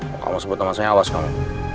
kalau kamu sebut nama saya awas kamu